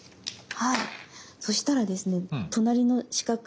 はい。